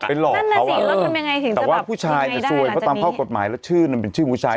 หลอกเขาแต่ว่าผู้ชายจะซวยเพราะตามข้อกฎหมายแล้วชื่อมันเป็นชื่อผู้ชาย